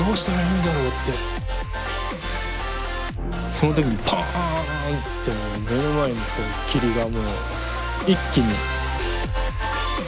その時にパンってもう目の前の霧がもう一気に。